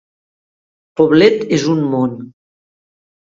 Poblet és un món.